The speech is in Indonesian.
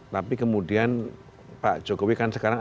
tapi kemudian pak jokowi kan sekarang